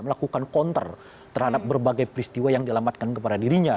melakukan counter terhadap berbagai peristiwa yang dialamatkan kepada dirinya